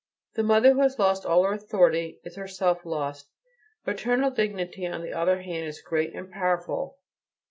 The mother who has lost all her authority is herself lost. Maternal dignity, on the other hand, is great and powerful.